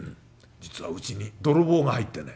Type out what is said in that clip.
実はうちに泥棒が入ってね」。